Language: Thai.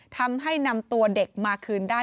ทำให้นำตัวเด็กมาคืนได้